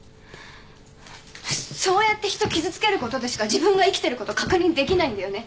そうやって人傷つけることでしか自分が生きてること確認できないんだよね。